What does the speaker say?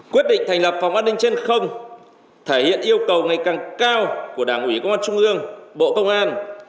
quyết định thành lập phòng an ninh trên không thể hiện yêu cầu ngày càng cao của đảng ủy công an trung ương bộ công an